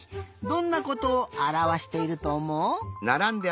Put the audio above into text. どんなことをあらわしているとおもう？